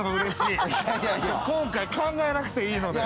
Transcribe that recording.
今回考えなくていいので。